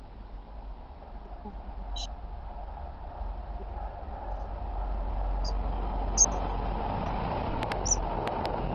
mfanyabiashara maarufu isidore strauss alisafiri katika darasa la kwanza